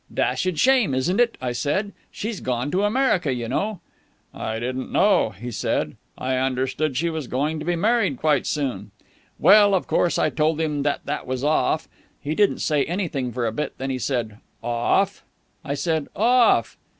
'Dashed shame, isn't it?' I said. 'She's gone to America, you know.' 'I didn't know,' he said. 'I understood she was going to be married quite soon.' Well, of course, I told him that that was off. He didn't say anything for a bit, then he said 'Off?' I said 'Off.'